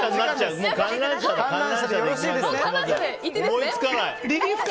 思いつかない。